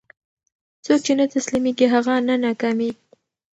څوک چې نه تسلیمېږي، هغه نه ناکامېږي.